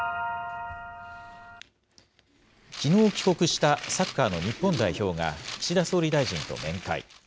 きのう帰国したサッカーの日本代表が、岸田総理大臣と面会。